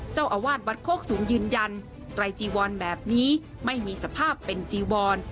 เจ้าอาวาสวัดโคกสูงยืนยันไตรจีวอนแบบนี้ไม่มีสภาพเป็นจีวอน